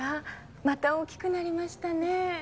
また大きくなりましたね。